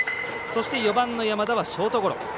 ４番の山田はショートゴロ。